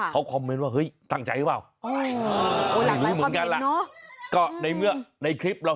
เขาคอมเมนต์ว่าเฮ้ยตั้งใจหรือเปล่า